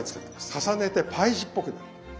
重ねてパイ地っぽくなってる。